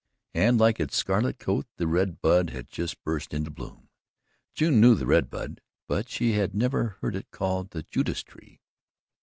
And like its scarlet coat the red bud had burst into bloom. June knew the red bud, but she had never heard it called the Judas tree.